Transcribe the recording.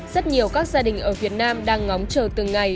rất nhiều các gia đình ở việt nam đang ngóng chờ từng ngày